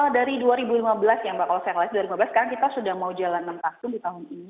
dari dua ribu lima belas ya mbak kalau saya ngelihat dua ribu lima belas sekarang kita sudah mau jalan enam tahun di tahun ini